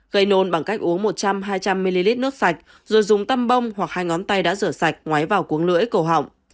gây nôn bằng cách uống một trăm linh hai trăm linh ml nước sạch rồi dùng tăm bông hoặc hai ngón tay đã rửa sạch ngoái vào cuống lưỡi cổ họng